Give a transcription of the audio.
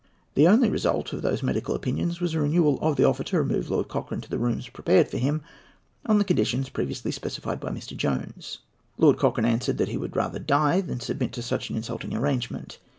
The only result of those medical opinions was a renewal of the offer to remove Lord Cochrane to the rooms prepared for him, on the conditions previously specified by Mr. Jones. Lord Cochrane answered that he would rather die than submit to such an insulting arrangement.